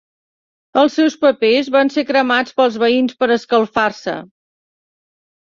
Els seus papers van ser cremats pels veïns per escalfar-se.